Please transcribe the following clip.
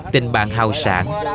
tình bạn hào sản